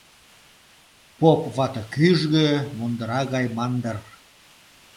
Поп вате кӱжгӧ, мундыра гай мындыр.